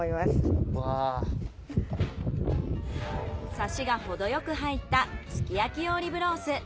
サシがほどよく入ったすき焼き用リブロース。